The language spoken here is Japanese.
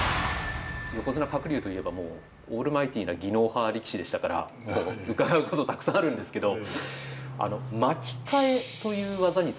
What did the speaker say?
横綱鶴竜といえばもうオールマイティーな技能派力士でしたから伺うことたくさんあるんですけど。